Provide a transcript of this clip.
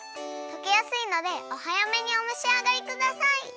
とけやすいのでおはやめにおめしあがりください。